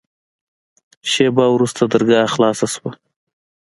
شېبه وروسته درګاه خلاصه سوه.